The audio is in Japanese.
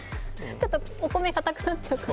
ちょっとお米かたくなっちゃうかも。